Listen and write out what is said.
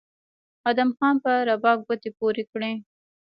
ادم خان په رباب ګوتې پورې کړې